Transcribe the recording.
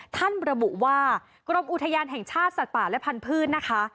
ระบุว่ากรมอุทยานแห่งชาติสัตว์ป่าและพันธุ์นะคะ